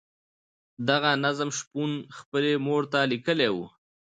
دغه نظم شپون خپلې مور ته لیکلی وو.